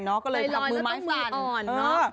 ใจลอยแล้วต้องหลั่น